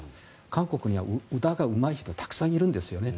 韓国には歌がうまい人たくさんいるんですよね。